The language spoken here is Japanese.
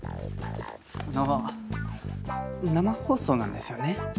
生生放送なんですよね？